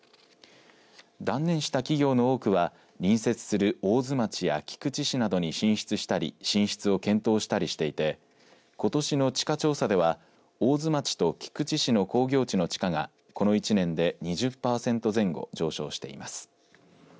断念した企業の多くは隣接する大津町や菊池市に進出したり、進出を検討していてことしの地価調査では大津町と菊池市の工業地の地価がこの１年で２０パーセント前後上昇しています。